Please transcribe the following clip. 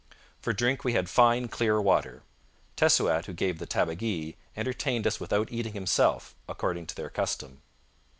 For drink we had fine, clear water. Tessouat, who gave the tabagie, entertained us without eating himself, according to their custom.